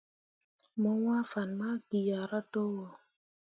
Mo wãã fan ma kiahra towo.